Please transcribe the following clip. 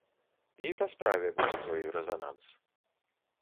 І па справе будзе той рэзананс.